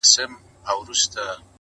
نو مي مخ کی د نیکه د قبر خواته،